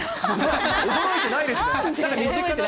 驚いてないですね？